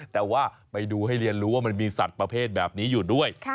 แต่ว่าไปดูให้เรียนรู้ว่ามันมีสัตว์ประเภทแบบนี้อยู่ด้วย